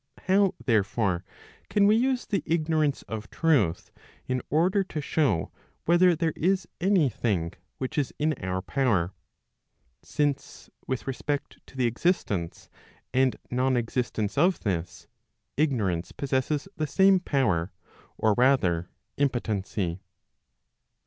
IIow there ' fore, can we use the ignorance of truth in order to show whether there is any thing which is in our power ? Since with respect to the existence, and non existence of this, ignorance possesses the same power, or rather impotency.